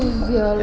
kamu kenapa sih ya